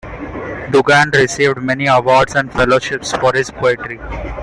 Dugan received many awards and fellowships for his poetry.